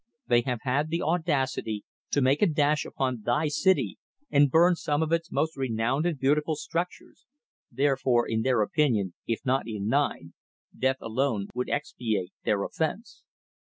"They have had the audacity to make a dash upon thy city and burn some of its most renowned and beautiful structures, therefore in their opinion if not in thine, death alone would expiate their offence."